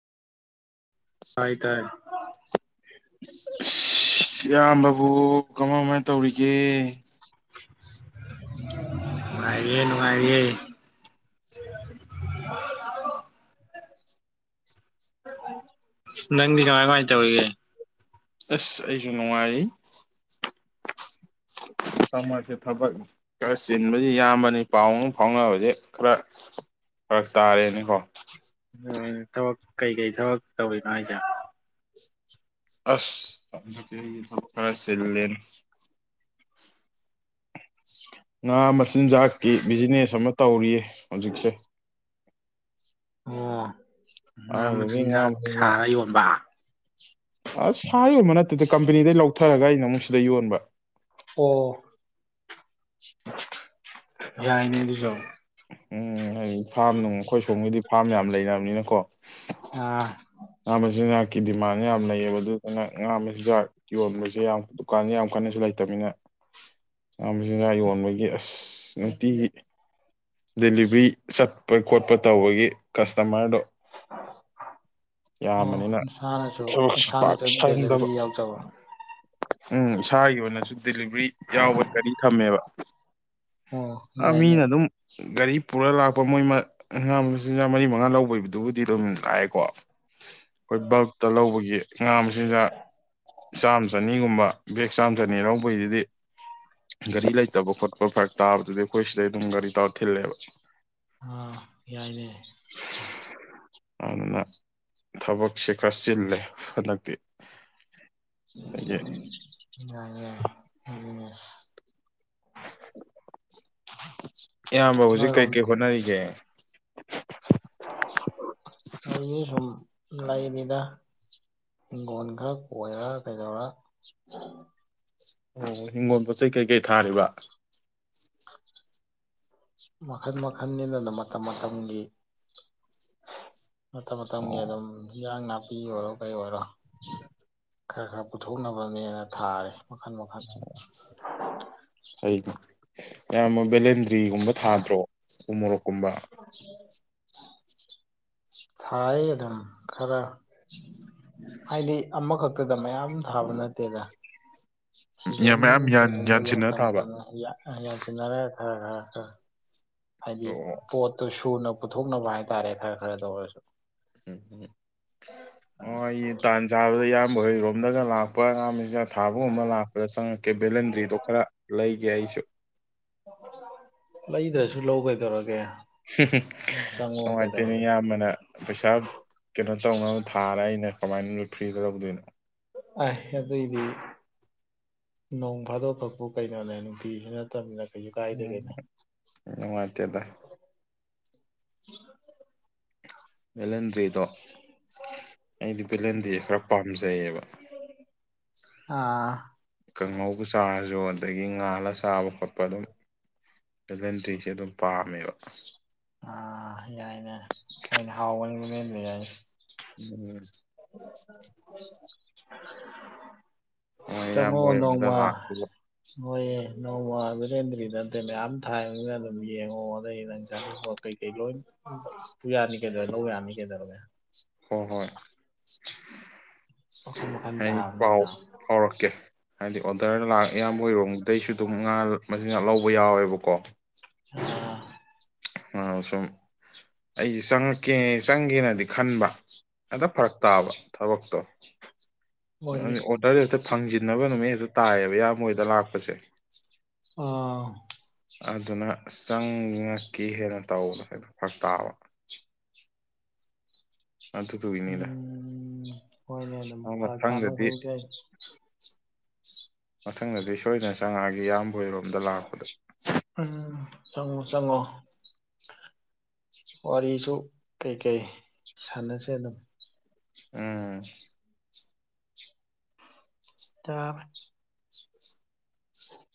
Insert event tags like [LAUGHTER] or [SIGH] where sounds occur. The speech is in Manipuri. ꯍꯥꯏꯥꯏ ꯇꯥꯏ ꯑ ꯏꯌꯥꯝꯕꯕꯨ ꯀꯃꯥꯏ ꯀꯃꯥꯏꯅ ꯇꯧꯔꯤꯒꯦ [INAUDIBLE] ꯅꯨꯡꯉꯥꯏꯔꯤꯌꯦꯦ ꯅꯨꯡꯉꯥꯏꯔꯤꯌꯦ ꯅꯪꯗꯤ ꯀꯃꯥꯏ ꯀꯃꯥꯏꯅ ꯇꯧꯔꯤꯒꯦ ꯑꯁ ꯑꯩꯁꯨ ꯅꯨꯡꯉꯥꯏ ꯁꯁꯦ ꯊꯕꯛ ꯈꯔ ꯆꯤꯟꯕꯗꯤ ꯌꯥꯝꯕꯅꯤ ꯄꯥꯎ ꯑꯃ ꯐꯥꯎꯅꯕꯗꯤ ꯈꯔ ꯐꯔꯛ ꯇꯥꯔꯦꯅꯤꯀꯣ ꯊꯕꯛ ꯀꯩꯀꯩ ꯊꯕꯛ ꯇꯧꯔꯤꯅꯣ ꯍꯥꯏꯁꯦ ꯑꯁ ꯆꯞ ꯈꯔ ꯆꯂꯦꯟ ꯉꯥ ꯃꯆꯤꯟꯖꯥꯛꯀꯤ ꯕꯤꯖꯤꯅꯦꯁ ꯑꯃ ꯇꯧꯔꯤꯌꯦ ꯍꯧꯖꯤꯛꯁꯦ ꯑꯥ ꯉꯥ ꯑꯗꯨꯗꯒꯤ ꯉꯥ ꯃꯆꯤꯟꯖꯥꯛ ꯁꯥꯔ ꯌꯣꯟꯕ ꯐꯔꯒ ꯑꯩꯅ ꯑꯃꯨꯛ ꯁꯤꯗ ꯌꯣꯟꯕ ꯑꯣ ꯌꯥꯥꯏꯅꯦ ꯑꯗꯨꯁꯣ ꯎꯝ ꯍꯥꯏ ꯐꯥꯝ ꯅꯨꯡ ꯑꯩꯈꯣꯏ ꯁꯣꯝꯒꯤꯗꯤ ꯐꯥꯔꯝ ꯌꯥꯝ ꯂꯩꯅꯕꯅꯤꯅꯀꯣ [INAUDIBLE] ꯑꯥ ꯉꯥ ꯃꯆꯤꯟꯖꯥꯛꯀꯤ ꯗꯤꯃꯥꯟ ꯌꯥꯝ ꯂꯩꯌꯦꯕ ꯑꯗꯨꯗꯨꯅ ꯉꯥ ꯃꯆꯤꯟꯖꯥꯛ ꯌꯣꯟꯕꯁꯦ ꯌꯥꯝ ꯗꯨꯀꯥꯟꯁꯦ ꯌꯥꯝ ꯀꯟꯅꯁꯨ ꯂꯩꯇꯝꯅꯤꯅ ꯉꯥ ꯃꯆꯤꯟꯖꯥꯛ ꯌꯣꯟꯕꯒꯤ ꯑꯁ ꯅꯨꯪꯇꯤ ꯗꯦꯂꯤꯚꯔꯤ ꯆꯠꯄ ꯈꯣꯠꯄ ꯇꯧꯕꯒꯤ ꯀꯁꯇꯃꯔꯗꯣ ꯑꯣ ꯌꯥꯝꯕꯅꯤꯅ ꯏꯁꯁꯥꯅꯁꯨ ꯊꯕꯛꯁꯨ ꯄꯥꯛ ꯏꯁꯟꯁꯥꯅꯁꯨ ꯁꯪꯗꯕ ꯗꯦꯂꯤꯕꯔꯤ ꯌꯥꯎꯖꯕ ꯎꯝ ꯏꯁꯥꯒꯤ ꯑꯣꯏꯅꯁꯨ ꯗꯤꯂꯤꯚꯔꯤ ꯌꯥꯎꯕ ꯀꯔꯤ ꯊꯝꯃꯦꯕ ꯑꯣ ꯑ ꯌꯥꯏꯅꯦ ꯃꯤꯅ ꯑꯗꯨꯝ ꯒꯥꯔꯤ ꯄꯨꯔ ꯂꯥꯛꯄ ꯃꯣꯏ ꯑꯉꯥꯡ ꯃꯆꯤꯟꯖꯥꯛ ꯃꯔꯤ ꯃ ꯉꯥ ꯂꯧꯕꯩꯗꯨꯗꯤ ꯑꯗꯨꯝ ꯂꯥꯛꯑꯦꯀꯣ ꯑꯩꯈꯣꯏ ꯕꯜꯇ ꯂꯧꯕꯒꯤ ꯉꯥ ꯃꯆꯤꯟꯖꯥꯛ ꯆꯥꯝꯃ ꯆꯅꯤꯒꯨꯝꯕ ꯕꯦꯛ ꯆꯥꯝꯊꯅꯤ ꯂꯧꯕꯩꯁꯤꯗꯤ ꯒꯥꯔꯤ ꯂꯩꯇꯕ ꯈꯣꯠꯄ ꯐꯔꯛ ꯇꯥꯕꯗꯨꯗꯤ ꯑꯩꯈꯣꯏ ꯁꯤꯗꯩ ꯑꯗꯨꯝ ꯒꯥꯔꯤ ꯇꯔ ꯊꯤꯜꯂꯦꯕ ꯑꯥ ꯌꯥꯏꯅꯦ ꯑꯗꯨꯅ ꯊꯕꯛꯁꯦ ꯈꯔ ꯆꯤꯜꯂꯦ ꯍꯟꯗꯛꯇꯤ ꯑꯗꯒꯤ [UNINTELLIGIBLE] [INAUDIBLE] [INAUDIBLE] ꯏꯌꯥꯝꯕ ꯍꯧꯖꯤꯛ ꯅꯣꯏꯔꯣꯝ ꯀꯩꯀꯩ ꯍꯣꯠꯅꯔꯤꯒꯦ ꯑꯩꯁꯨ ꯁꯨꯝ ꯂꯩꯔꯤꯗ ꯍꯤꯡꯒꯣꯟ ꯈꯔ ꯀꯣꯏꯔ ꯀꯩꯗꯧꯔꯒ ꯑꯣ ꯍꯤꯡꯒꯣꯜ ꯄꯣꯠ ꯆꯩ ꯀꯩꯀꯩ ꯊꯥꯔꯤꯕ ꯃꯈꯜ ꯃꯈꯜꯅꯤꯗ ꯃꯇꯝ ꯃꯇꯝꯒꯤ ꯃꯇꯝ ꯃꯇꯝꯒꯤ ꯑꯣ ꯑꯗꯨꯝ ꯍꯤꯌꯥꯡ ꯅꯥ ꯐꯤ ꯑꯣꯏꯔꯣ ꯀꯩ ꯑꯣꯏꯔꯣ [INAUDIBLE] ꯈꯔ ꯈꯔ ꯄꯨꯊꯣꯛꯅꯕꯅꯦꯅ ꯊꯥꯔꯦ ꯃꯈꯜ ꯃꯈꯜ ꯍꯥꯏ ꯑꯦꯌꯝꯕ ꯕꯦꯂꯦꯟꯗꯔ ꯐꯔꯤꯒꯨꯝꯕ ꯊꯥꯗ꯭ꯔꯣ ꯎ ꯃꯣꯔꯣꯛꯀꯨꯝꯕ ꯊꯥꯏ ꯑꯗꯨꯝ ꯈꯔ ꯍꯥꯏꯗꯤ ꯑꯃꯈꯛꯇꯗ ꯃꯌꯥꯝ ꯊꯥꯕ ꯅꯠꯇꯦꯗ ꯁꯤꯖꯟ ꯃꯌꯥꯝ ꯁꯤꯖꯟꯗꯨꯒꯤ ꯌꯥꯟꯁꯤꯟꯅ ꯃꯇꯝ ꯊꯥꯕ ꯃꯇꯝꯒꯤ ꯌꯟꯁꯤꯅꯔꯒ ꯑ ꯍꯥ ꯍꯥꯏꯗꯤ ꯑꯣ ꯄꯣꯠꯇꯨ ꯁꯨꯅ ꯄꯨꯊꯣꯛꯅꯕ ꯍꯥꯏꯇꯥꯔꯦ ꯈꯔ ꯈꯔꯗ ꯑꯣꯏꯔꯁꯨ ꯎꯝ ꯎꯝ ꯑꯣ ꯑꯩ ꯇꯥꯟ ꯁꯥꯕꯗ ꯑꯌꯥꯝꯕ ꯍꯣꯏꯔꯣꯝꯗꯒ ꯂꯥꯛ ꯄꯔꯥꯝꯖ [INAUDIBLE] ꯊꯥꯕꯨꯝ ꯑꯃ ꯂꯥꯛꯄꯗ ꯆꯪꯉꯛꯀꯦ ꯚꯦꯂꯦꯟꯗ꯭ꯔꯤꯗꯣ ꯈꯔ ꯂꯩꯒꯦ ꯑꯩꯁꯨ ꯂꯩꯗ꯭ꯔꯁꯨ ꯂꯧ ꯀꯩꯗꯧꯔꯒꯦ ꯍꯝ ꯍꯝ ꯆꯪꯉꯣ ꯅꯨꯡꯉꯥꯏꯇꯣꯅꯦ ꯀꯩꯗꯧꯔꯒꯦ ꯑꯌꯥꯝꯕꯅ ꯄꯩꯁꯥ ꯀꯩꯅꯣ ꯏꯇꯥꯎ ꯅꯪ ꯊꯥꯔ ꯑꯩꯅ ꯀꯃꯥꯏꯅ ꯐ꯭ꯔꯤꯗ ꯂꯧꯗꯣꯏꯅꯣ ꯑꯥꯏ ꯑꯗꯨꯏꯗꯤ ꯅꯣꯡ ꯐꯥꯗꯣꯛ ꯈꯛꯄꯨ ꯀꯩꯅꯣꯅꯦ ꯅꯨꯡꯇꯤꯁꯨ ꯅꯠꯇꯃꯤꯅ ꯎꯝ ꯅꯨꯡꯉꯥꯏꯇꯦꯗ [INAUDIBLE] [INAUDIBLE] ꯄꯦꯗꯣ ꯑꯩꯗꯤ ꯕꯦꯂꯦꯟꯗ꯭ꯔꯤ ꯈꯔ ꯄꯥꯝꯖꯩꯌꯦꯕ ꯑꯥ ꯀꯥꯡꯉꯧꯕ ꯆꯥꯔꯁꯨ ꯑꯗꯒꯤ ꯉꯥꯜꯂ ꯆꯥꯕ ꯈꯣꯠꯄ ꯑꯗꯨꯝ ꯚꯦꯂꯦꯟꯇ꯭ꯔꯤꯁꯦ ꯑꯗꯨꯝ ꯄꯥꯝꯃꯦꯕ ꯑꯥ ꯌꯥꯏꯅꯦ ꯑꯩꯈꯣꯏꯅꯥ [UNINTELLIGIBLE] ꯎꯝ [UNINTELLIGIBLE] ꯍꯣꯏ ꯏꯌꯥꯝꯕꯍ‌ꫭꯏ ꯌꯨꯝꯗ ꯂꯥꯛꯄꯒꯨꯝ ꯍꯣꯏꯌꯦ ꯅꯣꯡꯃ ꯕꯦꯂꯦꯟꯗ꯭ꯔꯤꯗ ꯅꯠꯇꯦ ꯃꯌꯥꯝ ꯊꯥꯏ ꯃꯌꯥꯝꯗꯣ ꯌꯦꯡꯉꯣ ꯑꯗꯩ ꯅꯪ ꯆꯅꯤꯡꯕ ꯀꯩꯀꯩ ꯂꯣꯏ ꯄꯨꯌꯥꯅꯤ ꯀꯩꯗꯧꯔꯦ ꯂꯧ ꯌꯥꯅꯤ ꯀꯩꯗꯧꯒꯦ ꯍꯣ ꯍꯣꯏ ꯃꯈꯟ ꯃꯈꯟ ꯑꯩ ꯄꯥꯎ ꯊꯥꯕꯅꯤꯅ ꯐꯥꯎꯔꯛꯀꯦ ꯍꯥꯏꯕꯗꯤ ꯑꯣꯗꯔ ꯂꯥꯛꯑꯦ ꯏꯌꯥꯝꯕ ꯍꯣꯏ ꯔꯣꯝꯗꯩꯁꯨ ꯑꯗꯨꯝ ꯉꯥ ꯃꯆꯤꯟꯖꯥꯛ ꯂꯧꯕ ꯌꯥꯎꯋꯦꯕꯛ ꯀꯣ ꯑ ꯑ ꯁꯨꯝ ꯑꯩꯁꯦ ꯆꯪꯉꯛꯀꯦ ꯆꯪꯒꯦꯅꯗꯤ ꯈꯟꯕ ꯑꯗ ꯐꯔꯛ ꯇꯥꯕ ꯊꯕꯛꯇꯣ ꯑ ꯃꯣꯏꯒꯤ ꯑꯣꯗꯔꯗꯤ ꯆꯠ ꯐꯪꯖꯤꯟꯅꯕ ꯅꯨꯃꯤꯠ ꯍꯦꯛꯇ ꯇꯥꯏꯌꯦꯕ ꯏꯌꯥꯃꯕ ꯍꯣꯏꯗ ꯂꯥꯛꯄꯁꯦ ꯑꯥ ꯑꯗꯨꯅ ꯆꯪꯉꯛꯀꯦ ꯍꯦꯅ ꯇꯧꯕꯗꯨ ꯐꯥꯔꯛ ꯇꯥꯕ ꯑꯗꯨꯗꯨꯒꯤꯅꯤꯗ ꯎꯝ ꯍꯣꯏꯅꯦ ꯑꯗꯨꯝ ꯑ ꯐꯔꯛ ꯇꯥꯅꯕ ꯃꯊꯪꯗꯗꯤ ꯈꯨꯗꯤꯡꯒꯤ ꯑꯩ ꯃꯊꯪꯗꯗꯤ ꯁꯣꯏꯗꯅ ꯆꯪꯉꯛꯑꯒꯦ ꯏꯌꯥꯝ ꯑꯣꯏꯔꯣꯝꯗ ꯂꯥꯛꯄꯗ ꯎꯝ ꯆꯪꯉꯣ ꯆꯪꯉꯣ ꯋꯥꯔꯤꯁꯨ ꯀꯩꯀꯩ ꯁꯥꯟꯅꯁꯦ ꯑꯗꯨꯝ ꯎꯝ [UNINTELLIGIBLE]